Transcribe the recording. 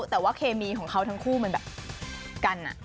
แต่ว่าเคมีของเขาทั้งคู่มันแบบกัน